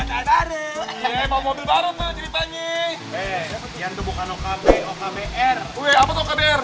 weh apa tuh okpr